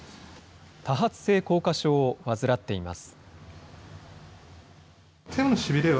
多発性硬化症を患っています。